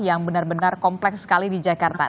yang benar benar kompleks sekali di jakarta